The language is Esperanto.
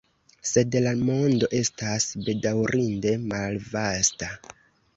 Sed la mondo estas, bedaŭrinde, malvasta.